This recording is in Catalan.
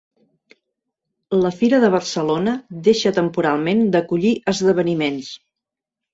La Fira de Barcelona deixa temporalment d'acollir esdeveniments